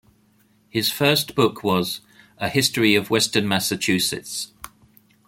His first book was a "History of Western Massachusetts".